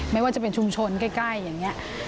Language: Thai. ไม่ว่าจะเป็นชุมชนใกล้อย่างนี้